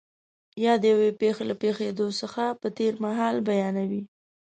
یا د یوې پېښې له پېښېدو څخه په تېر مهال بیانوي.